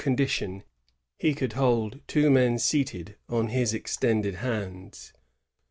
265 oondition he could hold two men seated on his extended hands.